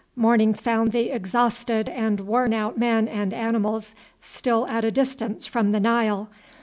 Morning found the exhausted and worn out men and animals still at a distance from the Nile.